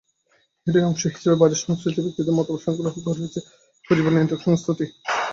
এরই অংশ হিসেবে বাজার সংশ্লিষ্ট ব্যক্তিদের মতামত সংগ্রহ করছে পুঁজিবাজার নিয়ন্ত্রক সংস্থাটি।